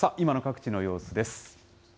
今の各地の様子です。